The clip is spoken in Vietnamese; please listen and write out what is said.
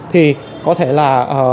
thì có thể là